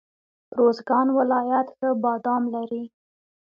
روزګان ولایت ښه بادام لري.